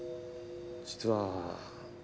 実は。